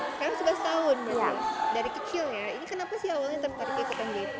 dari kecilnya kenapa awalnya terpaksa ikutan